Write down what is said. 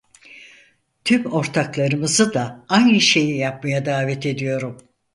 Tüm ortaklarımızı da aynı şeyi yapmaya davet ediyorum.